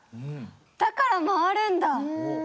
だから回るんだ！